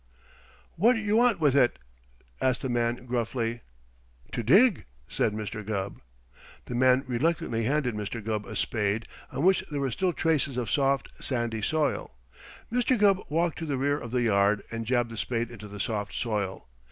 "What you want with it?" asked the man gruffly. "To dig," said Mr. Gubb. The man reluctantly handed Mr. Gubb a spade on which there were still traces of soft, sandy soil. Mr. Gubb walked to the rear of the yard and jabbed the spade into the soft soil.